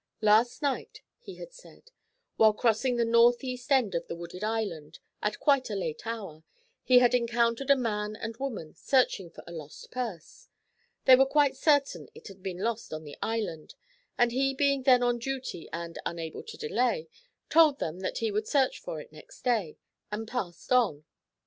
Last night, he had said, while crossing the north east end of the Wooded Island, at quite a late hour, he had encountered a man and woman searching for a lost purse. They were quite certain it had been lost on the island, and he being then on duty and 'unable to delay,' told them that he would search for it next day, and passed on.